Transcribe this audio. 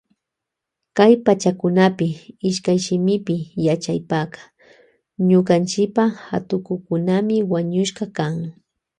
Kay pachakunapi ishkayshimipi yachaypaka ñukanchipa hatukukunami wañushka kan.